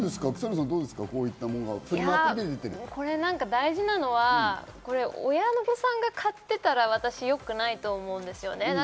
大事なのは親御さんが買ってたら良くないと思うんですよね。